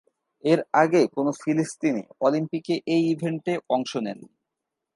এর আগে কোনো ফিলিস্তিনি অলিম্পিকে এই ইভেন্টে অংশ নেননি।